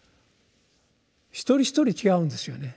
一人一人違うんですよね。